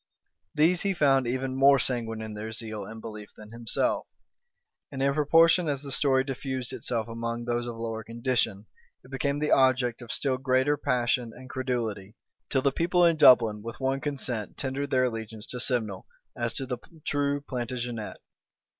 These he found even more sanguine in their zeal and belief than himself: and in proportion as the story diffused itself among those of lower condition, it became the object of still greater passion and credulity, till the people in Dublin with one consent tendered their allegiance to Simnel, as to the true Plantagenet.